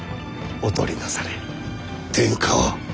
お取りなされ天下を。